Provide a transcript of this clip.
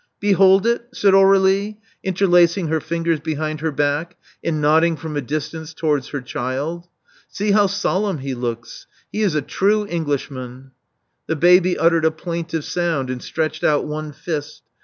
Behold it?" said Aur^lie, interlacing her fingers behind her back, and nodding from a distance towards her child. See how solemn he looks! He is a true Englishman." The baby uttered a plaintive sound and stretched out one fist.